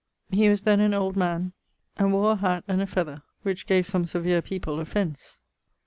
He was then an old man, white beard; and wore a hatt and a feather, which gave some severe people offence.